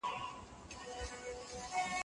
د خپلو موخو لپاره هڅه وکړئ.